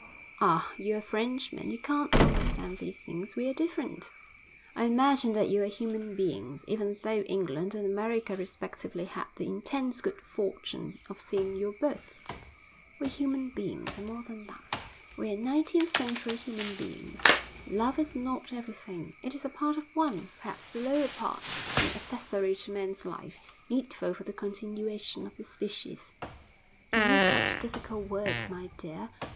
'Ah! you're a Frenchman, you can't understand these things. We are different.' 'I imagine that you are human beings, even though England and America respectively had the intense good fortune of seeing your birth.' 'We're human beings and more than that, we're nineteenth century human beings. Love is not everything. It is a part of one perhaps the lower part an accessory to man's life, needful for the continuation of the species.' 'You use such difficult words, my dear.'